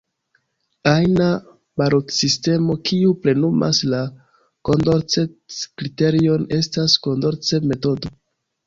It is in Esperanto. Ajna balotsistemo kiu plenumas la Kondorcet-kriterion estas Kondorcet-metodo.